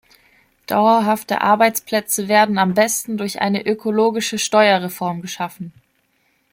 Dauerhafte Arbeitsplätze werden am besten durch eine ökologische Steuerreform geschaffen.